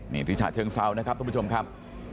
นี่ที่ฉะเชิงเซานะครับทุกผู้ชมครับ